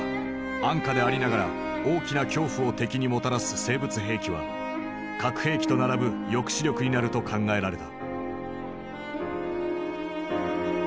安価でありながら大きな恐怖を敵にもたらす生物兵器は核兵器と並ぶ抑止力になると考えられた。